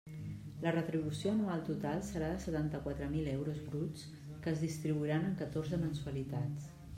La retribució anual total serà de setanta-quatre mil euros bruts que es distribuiran en catorze mensualitats.